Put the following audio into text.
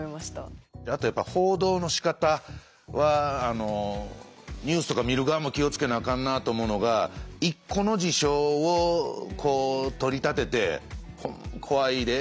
あとやっぱ報道のしかたはニュースとか見る側も気を付けなあかんなと思うのが一個の事象を取り立てて怖いでって言い過ぎるのって何か。